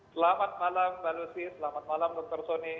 selamat malam mbak lucy selamat malam dr soni